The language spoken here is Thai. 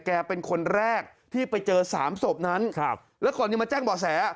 แกเป็นคนแรกที่ไปเจอสามสบนั้นแล้วก่อนยังมาแจ้งบ่อแส